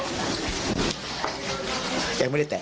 หมาก็เห่าตลอดคืนเลยเหมือนมีผีจริง